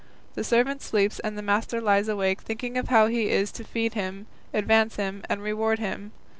The servant sleeps and the master lies awake thinking how he is to feed him, advance him, and reward him.